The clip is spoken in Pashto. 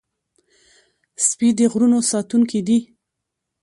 سپي د غرونو ساتونکي دي.